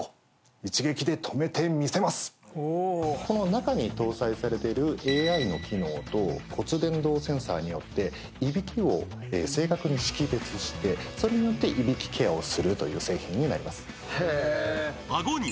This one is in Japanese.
中に搭載されてるＡＩの機能と骨伝導センサーによっていびきを正確に識別してそれによっていびきケアをするという製品になります。